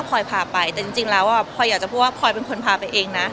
พลอยพาไปแต่จริงแล้วพลอยอยากจะพูดว่าพลอยเป็นคนพาไปเองนะ